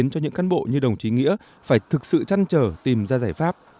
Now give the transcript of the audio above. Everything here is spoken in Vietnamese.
như đồng chí nghĩa phải thực sự chăn trở tìm ra giải pháp